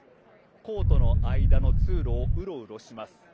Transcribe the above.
コートの間の通路をうろうろします。